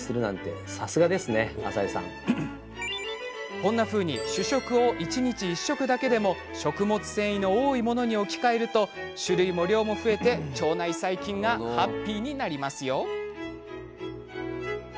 こんなふうに主食を一日１食だけでも食物繊維の多いものに置き換えると種類も量も増えて腸内細菌がハッピーになります。